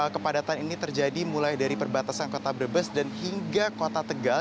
kepadatan ini terjadi mulai dari perbatasan kota brebes dan hingga kota tegal